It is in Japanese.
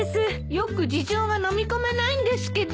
よく事情がのみ込めないんですけど。